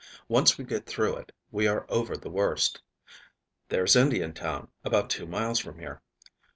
Once we get through it, we are over the worst. There's Indiantown, about two miles from here.